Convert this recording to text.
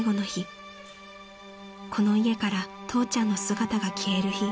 ［この家から父ちゃんの姿が消える日］